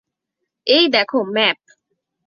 এই দেখো ম্যাপ।